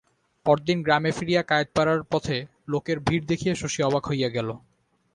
পরদিন গ্রামে ফিরিয়া কায়েতপাড়ার পথে লোকের ভিড় দেখিয়া শশী অবাক হইয়া গেল।